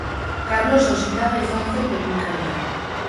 Karlos Osinaga izan zen teknikaria.